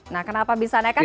nah kenapa bisa nekat